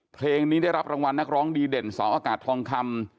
เพลงนี้ได้รับรางวัลนักร้องดีเด่นเสาอากาศทองคำ